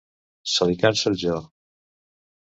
Se li cansa el jo.